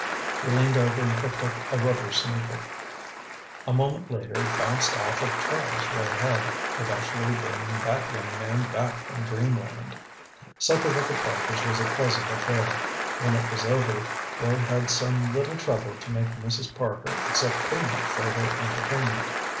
He leaned over and picked up a rubber sneaker. A moment later it bounced off of Charlie's red head, effectually bringing that young man back from dreamland. Supper with the Parkers was a pleasant affair. When it was over Bill had some little trouble to make Mrs. Parker accept payment for their entertainment.